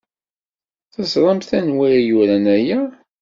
Teẓramt anwa ay yuran aya?